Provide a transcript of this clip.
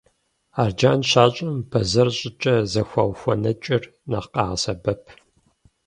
Арджэн щащӏым, бэзэр щӏыкӏэ зэхэухуэнэкӏэр нэхъ къагъэсэбэп.